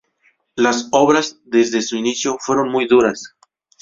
Las obras desde su inicio fueron muy duras.